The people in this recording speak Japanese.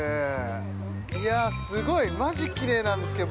いや、すごいマジきれいなんですけど。